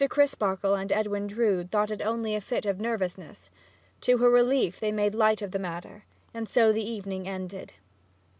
Crisparkle and Edwin Drood thought it only a fit of nervousness. To her relief, they made light of the matter, and so the evening ended.